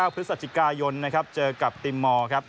๙พฤษฐศิกายนเจอกับทีมมอลนะครับ